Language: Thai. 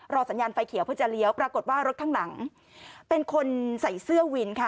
สัญญาณไฟเขียวเพื่อจะเลี้ยวปรากฏว่ารถข้างหลังเป็นคนใส่เสื้อวินค่ะ